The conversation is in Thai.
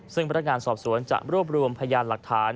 ซึ่งพนักงานสอบสวนจะรวบรวมพยานหลักฐาน